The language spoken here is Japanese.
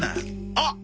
あっ！